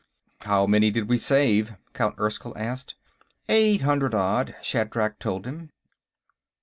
"How many did we save?" Count Erskyll asked. Eight hundred odd, Shatrak told him.